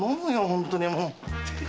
本当にもう。